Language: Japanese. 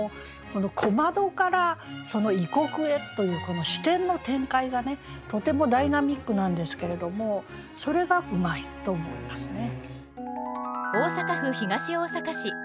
この「小窓」から「異国」へというこの視点の展開がねとてもダイナミックなんですけれどもそれがうまいと思いますね。